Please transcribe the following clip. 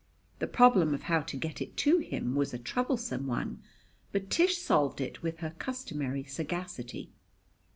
The problem of how to get it to him was a troublesome one, but Tish solved it with her customary sagacity.